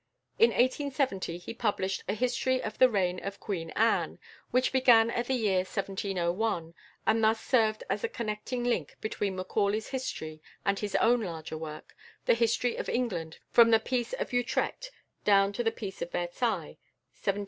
In 1870 he published a "History of the Reign of Queen Anne," which began at the year 1701, and thus served as a connecting link between Macaulay's history and his own larger work the "History of England, from the Peace of Utrecht down to the Peace of Versailles (1713 1783)."